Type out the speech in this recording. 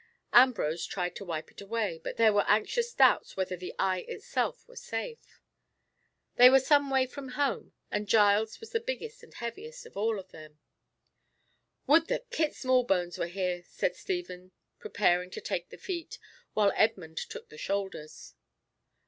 Ambrose tried to wipe it away, and there were anxious doubts whether the eye itself were safe. They were some way from home, and Giles was the biggest and heaviest of them all. "Would that Kit Smallbones were here!" said Stephen, preparing to take the feet, while Edmund took the shoulders.